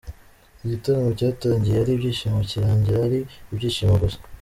Igitaramo cyatangiye ari ibyishimo kirangira ari ibyishimo gusa.